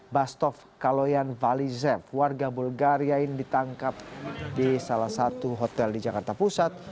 bastof kaloyan valizev warga bulgariain ditangkap di salah satu hotel di jakarta pusat